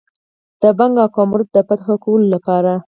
د بنګ او کامرود د فتح کولو لپاره.